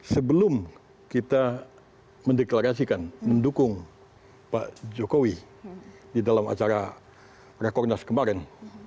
sebelum kita mendeklarasikan mendukung pak jokowi di dalam acara rakornas kemarin